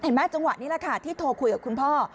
จังหวะนี้แหละค่ะที่โทรคุยกับคุณพ่อ